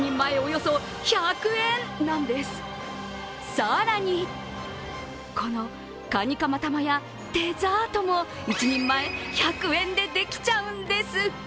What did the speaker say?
更にこの、かにかま玉やデザートも１人前１００円でできちゃうんです。